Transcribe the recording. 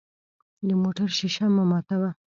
د موټر شیشه مه ماتوه.